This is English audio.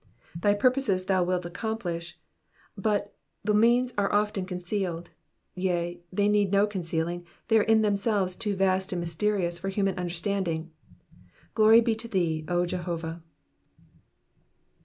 Thy purposes thou wilt accomplish, but the means are often concealed, yea, they need no concealing, they are in themselves too vast and mysterious for human understanding. Glory be to thee, O Jehovah.